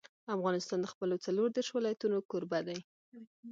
افغانستان د خپلو څلور دېرش ولایتونو کوربه دی.